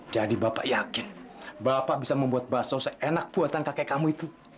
jadi bapak yakin bapak bisa membuat bakso seenak buatan kakek kamu itu